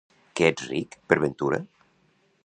Que ets ric, per ventura?